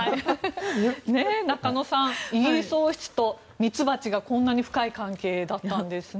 中野さんイギリス王室とミツバチがこんなに深い関係だったんですね。